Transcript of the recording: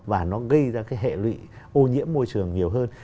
và nó gây ra cái hệ lụy ô nhiễm môi trường nhiều hơn